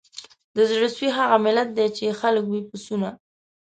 د زړه سوي هغه ملت دی چي یې خلک وي پسونه